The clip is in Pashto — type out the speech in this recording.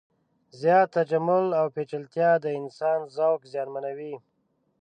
زیات تجمل او پیچلتیا د انسان ذوق زیانمنوي.